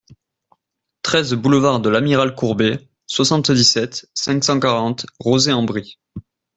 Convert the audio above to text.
treize boulevard de l'Amiral Courbet, soixante-dix-sept, cinq cent quarante, Rozay-en-Brie